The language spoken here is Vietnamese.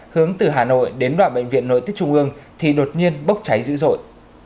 hướng từ hà nội đến đoạn bệnh viện nội tiết trung ương thì đột nhiên bốc cháy dữ dội